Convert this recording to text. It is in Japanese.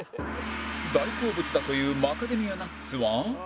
大好物だというマカデミアナッツは